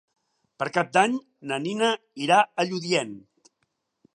Per Cap d'Any na Nina irà a Lludient.